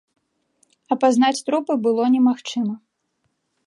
Апазнаць трупы было немагчыма.